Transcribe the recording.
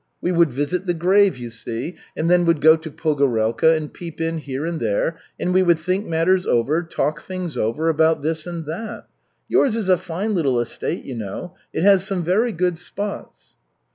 We would visit the grave, you see, and then would go to Pogorelka and peep in here and there, and we would think matters over, talk things over about this and that. Yours is a fine little estate, you know. It has some very good spots."